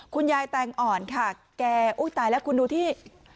คุณยายแตงอ่อนค่ะแก่อุ๊ยตายแล้วคุณดูที่